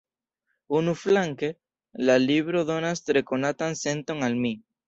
Unuflanke, la libro donas tre konatan senton al mi.